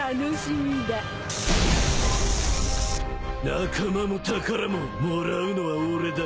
仲間も宝ももらうのは俺だ。